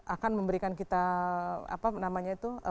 akan memberikan kita